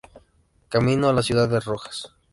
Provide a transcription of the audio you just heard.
Camino a la ciudad de Rojas.